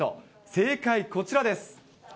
正解、こちらです。